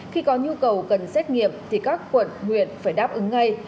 khi có nhu cầu cần xét nghiệm thì các quận huyện phải đáp ứng ngay